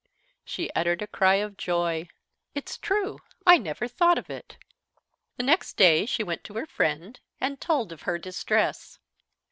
She uttered a cry of joy: "It's true. I never thought of it." The next day she went to her friend and told of her distress.